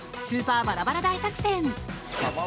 「スーパーバラバラ大作戦」。